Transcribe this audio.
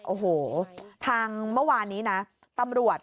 โอ้โหทางเมื่อวานนี้นะตำรวจ